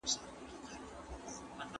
تاسي تل د روغتیا اصول منئ.